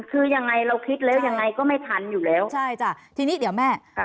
คือยังไงเราคิดแล้วยังไงก็ไม่ทันอยู่แล้วใช่จ้ะทีนี้เดี๋ยวแม่ครับ